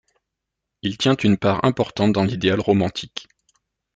Il tient une part importante dans l'idéal romantique.